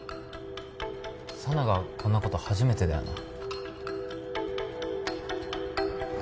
佐奈がこんなこと初めてだよな